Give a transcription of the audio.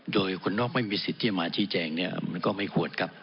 โดยคนนอกไม่มีสิทธิ์ที่จะมาชี้แจงเนี่ยมันก็ไม่ควรครับ